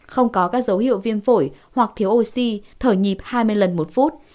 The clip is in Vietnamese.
không có các dấu hiệu viêm phổi hoặc thiếu oxy thở nhịp hai mươi lần một phút